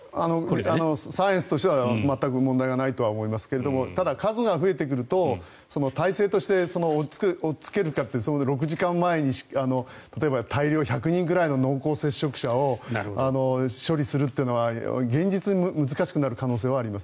サイエンスとしては全く問題がないとは思いますけどただ、数が増えてくると体制として追いつけるかという６時間前に例えば１００人ぐらいの濃厚接触者を処理するというのは、現実に難しくなる可能性はあります。